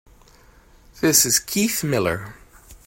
This is Keith Miller.